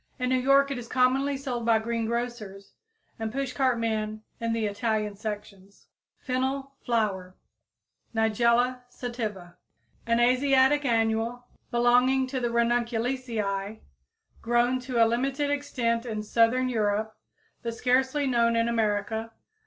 In New York it is commonly sold by greengrocers and pushcart men in the Italian sections. =Fennel Flower= (Nigella sativa, Linn.), an Asiatic annual, belonging to the Ranunculaceæ, grown to a limited extent in southern Europe, but scarcely known in America.